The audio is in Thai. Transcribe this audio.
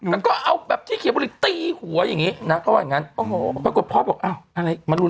แล้วก็เอาแบบที่เขียนบริกตีหัวอย่างนี้พรากฏพอสบอกอ้าวอะไร